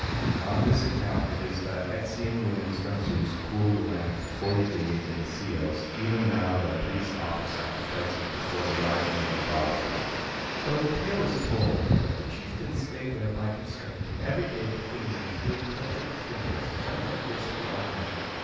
And on this account it is that Etesian winds from Zeus cool the land for forty days, and in Ceos even now the priests offer sacrifices before the rising of the Dog star. So the tale is told, but the chieftains stayed there by constraint, and every day the Thynians, doing pleasure to Phineus, sent them gifts beyond measure.